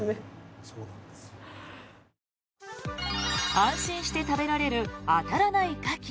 安心して食べられるあたらないカキ。